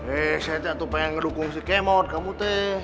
eh saya tuh pengen ngedukung si kimot kamu tuh